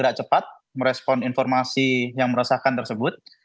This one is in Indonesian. bergerak cepat merespon informasi yang merasakan tersebut